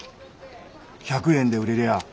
１００円で売れりゃあ